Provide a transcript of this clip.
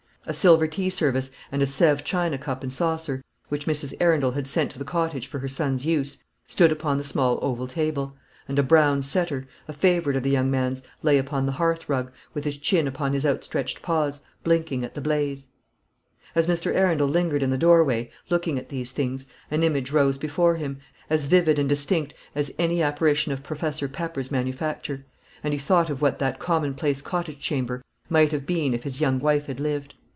A silver tea service and a Sèvres china cup and saucer, which Mrs. Arundel had sent to the cottage for her son's use, stood upon the small oval table: and a brown setter, a favourite of the young man's, lay upon the hearth rug, with his chin upon his outstretched paws, blinking at the blaze. As Mr. Arundel lingered in the doorway, looking at these things, an image rose before him, as vivid and distinct as any apparition of Professor Pepper's manufacture; and he thought of what that commonplace cottage chamber might have been if his young wife had lived.